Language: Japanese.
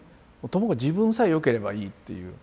ともかく自分さえよければいいっていう。